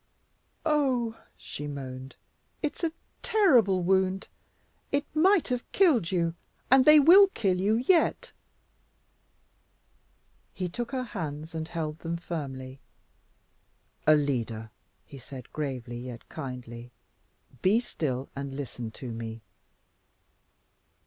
"Oh, oh!" she moaned, "It's a terrible wound; it might have killed you, and they WILL kill you yet." He took her hands and held them firmly. "Alida," he said, gravely yet kindly, "be still and listen to me."